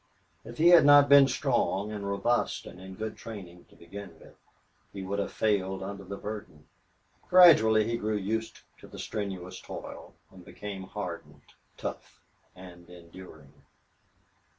If he had not been strong and robust and in good training to begin with, he would have failed under the burden. Gradually he grew used to the strenuous toil, and became hardened, tough, and enduring.